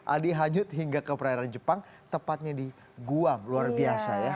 adi hanyut hingga ke perairan jepang tepatnya di guam luar biasa ya